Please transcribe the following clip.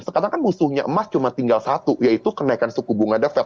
sekarang kan musuhnya emas cuma tinggal satu yaitu kenaikan suku bunga the fed